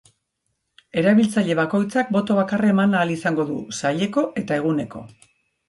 Erabiltzaile bakoitzak boto bakarra eman ahal izango du, saileko eta eguneko.